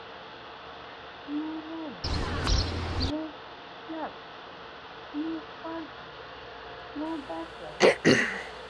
A large number of these are widely recognised and used by Australian English speakers.